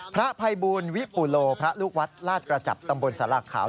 พระภัยบูลวิปุโลพระลูกวัดลาดกระจับตำบลสลากขาว